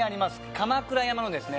鎌倉山のですね